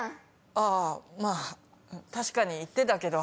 あぁまぁ確かに言ってたけど。